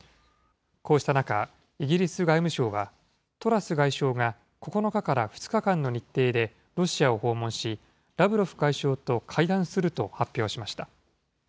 こうした中、イギリス外務省は、トラス外相が９日から２日間の日程でロシアを訪問し、ラブロフ外相と会談すると発表しました。